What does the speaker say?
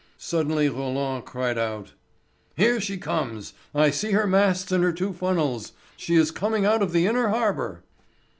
Suddenly Roland cried out: "Here she comes! I see her masts and her two funnels! She is coming out of the inner harbour."